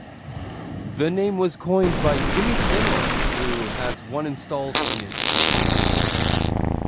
The name was coined by Jimmy Kimmel, who has one installed in his home.